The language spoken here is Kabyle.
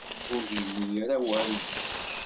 Ur d-yenni ara awal-is.